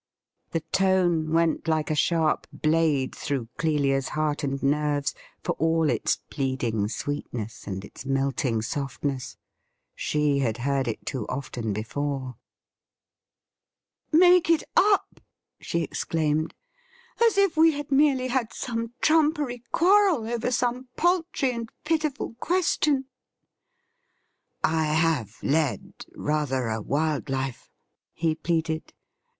The tone went like a sharp blade through Clelia's heart and nerves, for all its pleading sweetness and its melting softness. She had heard it too often before. ' Make it up !' she exclaimed. ' As if we had merely had some trumpery quarrel over some paltry and pitiful question !'' I have lead rather a wild life,' he pleaded.